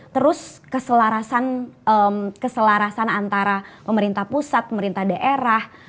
terus keselarasan antara pemerintah pusat pemerintah daerah